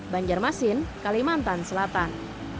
banjarmasin kalimantan selatan